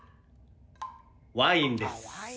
ワインです。